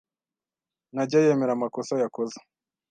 Ntajya yemera amakosa yakoze